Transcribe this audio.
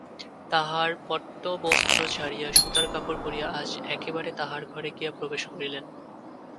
তাঁহার পট্টবস্ত্র ছাড়িয়া সুতার কাপড় পরিয়া আজ একেবারে তাহার ঘরে গিয়া প্রবেশ করিলেন।